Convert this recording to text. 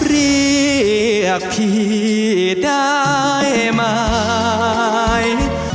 เรียกพี่ได้ไหม